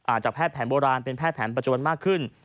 จากแพทย์แผนโบราณเป็นแพทย์แผนปัจจุบันมากขึ้น